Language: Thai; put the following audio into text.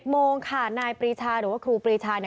๑๐โมงค่ะนายปิชาหรือว่าครูปิชา